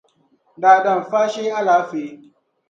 Daadam faashee alaafee.